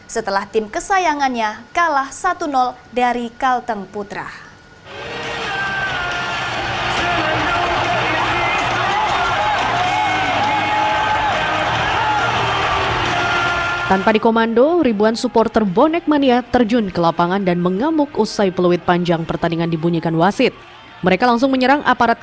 setelah tim kesayangannya kalah satu dari kalteng putra